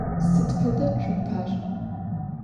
Sıd feda tsumper?